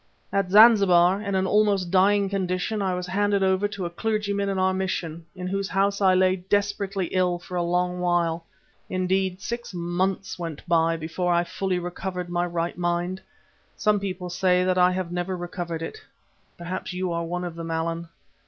"At Zanzibar, in an almost dying condition, I was handed over to a clergyman of our mission, in whose house I lay desperately ill for a long while. Indeed six months went by before I fully recovered my right mind. Some people say that I have never recovered it; perhaps you are one of them, Allan.